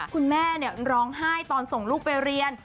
คุณแม่ร้องไห้ตอนส่งลูกไปเรียน